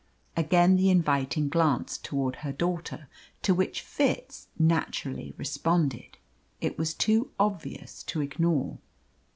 Again the inviting glance toward her daughter, to which Fitz naturally responded. It was too obvious to ignore.